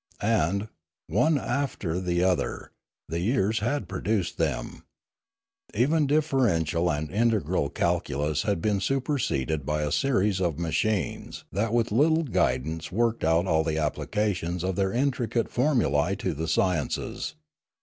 And, one after the other, the years had produced them. Even differential and integral calculus had been superseded by a series of machines that with little guidance worked out all the applications of their intricate formulae to the sciences.